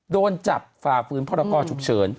โดนจับฝ่าฝืนพรกรฉุกเฉิน